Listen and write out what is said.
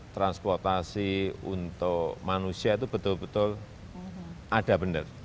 transportasi untuk manusia itu betul betul ada benar